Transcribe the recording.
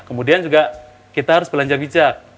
kemudian juga kita harus belanja bijak